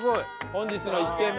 本日の１軒目。